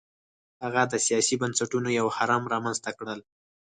هغه د سیاسي بنسټونو یو هرم رامنځته کړل.